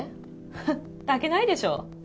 ふっ抱けないでしょ？